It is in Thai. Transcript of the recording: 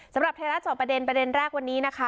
ไทยรัฐจอบประเด็นประเด็นแรกวันนี้นะคะ